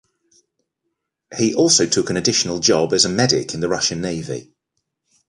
He also took on an additional job as a medic in the Russian Navy.